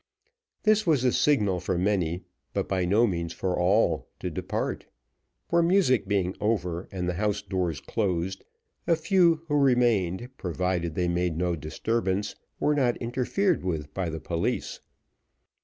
This was a signal for many, but by no means for all, to depart; for music being over, and the house doors closed, a few who remained, provided they made no disturbance, were not interfered with by the police.